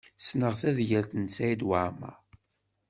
Ssneɣ tadyalt n Saɛid Waɛmaṛ.